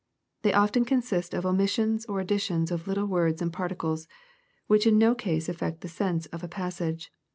They often consist of omissions or additions of little words and particles, which in no case aflfect the sense of a passage.